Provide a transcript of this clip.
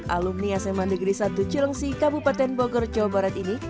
alumni sma negeri satu cilengsi kabupaten bogor jawa barat ini